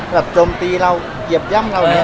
โจมตีเราเหยียบย่ำเราเนี่ย